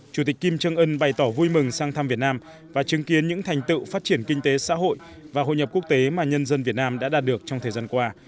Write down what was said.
chủ tịch kim trân ưn bày tỏ vui mừng sang thăm việt nam và chứng kiến những thành tựu phát triển kinh tế xã hội và hội nhập quốc tế mà nhân dân việt nam đã đạt được trong thời gian qua